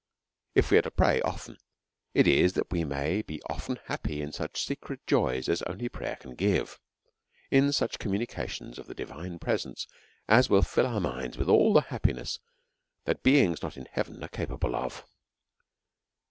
If we are to pi'ay often, it is tliat we may be often happy in such secret joys as only prayer can give ; in such communi cations of the divine presence, as will fill our minds Avith all the happiness thatbeings not in heaven are capable of.